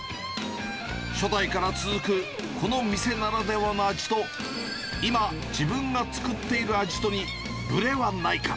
初代から続くこの店ならではの味と、今、自分が作っている味とに、ぶれはないか。